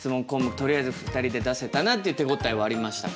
とりあえず２人で出せたなっていう手応えはありましたか？